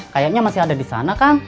kayaknya masih ada disana kang